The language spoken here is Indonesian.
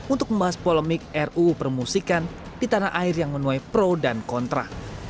untuk membahas polemik ruu permusikan di tanah air yang menuai pro dan kontra